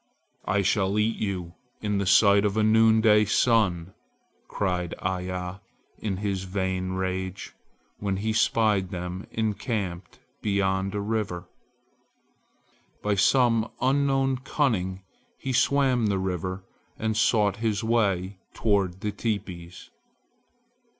"I shall eat you in the sight of a noon day sun!" cried Iya in his vain rage, when he spied them encamped beyond a river. By some unknown cunning he swam the river and sought his way toward the teepees.